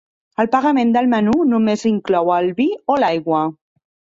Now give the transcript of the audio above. El pagament del menú només inclou el vi o l'aigua.